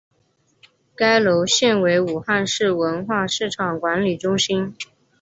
该楼现为武汉市文化市场管理中心。